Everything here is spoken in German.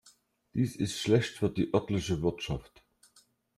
Dies ist schlecht für die örtliche Wirtschaft.